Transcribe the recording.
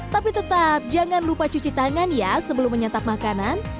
tapi tetap jangan lupa cuci tangan ya sebelum menyantap makanan